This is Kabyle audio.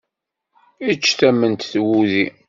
Ečč tamment d wudi!